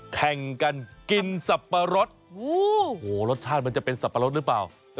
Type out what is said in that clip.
แข่งกันกินสับปะรดโอ้โหรสชาติมันจะเป็นสับปะรดหรือเปล่า